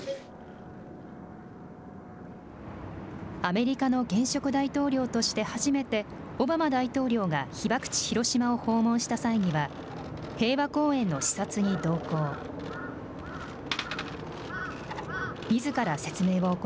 アメリカの現職大統領として初めて、オバマ大統領が被爆地、広島を訪問した際には、平和公園の視察に同行。